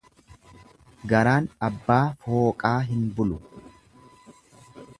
Garaan abbaa fooqaa hin bulu.